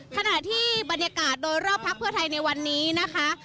ขณะที่บรรยากาศโดยรอบพักเพื่อไทยในวันนี้นะคะ